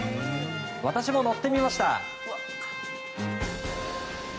私も乗ってみました。